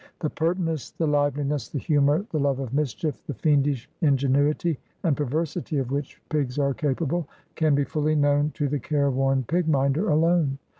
The pertness, the liveliness, the humor, the love of mischief, the fiendish ingenuity and perversity of which pigs are capable, can be fully known to the careworn pig minder alone.